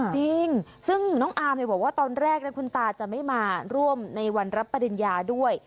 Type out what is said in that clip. จริงซึ่งน้องอาร์มบอกว่าตอนแรกนะคุณตาจะไม่มาร่วมในวันรับปริญญาด้วย